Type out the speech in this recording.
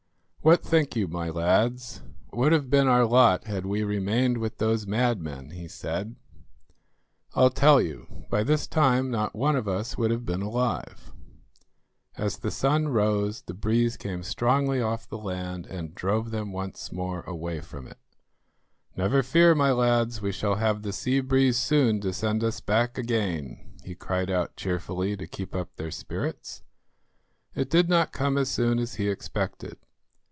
"What think you, my lads, would have been our lot had we remained with those madmen?" he said. "I'll tell you; by this time not one of us would have been alive." As the sun rose, the breeze came strongly off the land and drove them once more away from it. "Never fear, my lads; we shall have the sea breeze soon to send us back again," he cried out cheerfully to keep up their spirits. It did not come as soon as he expected.